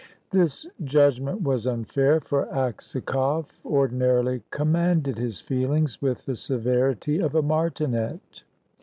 This judgment was unfair, for Aksakoff ordinarily commanded his feelings with the severity of a martinet.